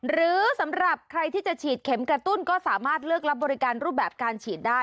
หรือสำหรับใครที่จะฉีดเข็มกระตุ้นก็สามารถเลือกรับบริการรูปแบบการฉีดได้